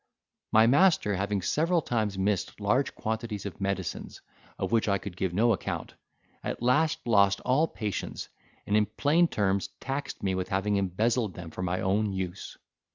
My master having several times missed large quantities of medicines, of which I could give no account, at last lost all patience, and in plain terms taxed me with having embezzled them for my own use.